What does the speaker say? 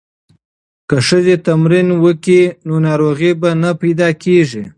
که ښځې تمرین وکړي نو ناروغۍ به نه پیدا کیږي.